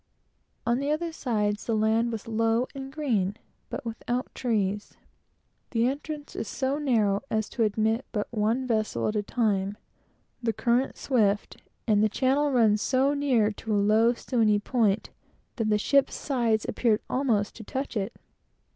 On the other sides, the land was low, and green, but without trees. The entrance is so narrow as to admit but one vessel at a time, the current swift, and the channel runs so near to a low stony point that the ship's sides appeared almost to touch it.